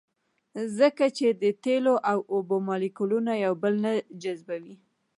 ځکه چې د تیلو او اوبو مالیکولونه یو بل نه جذبوي